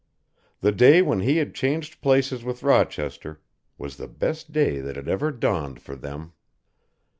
The day when he had changed places with Rochester was the best day that had ever dawned for them.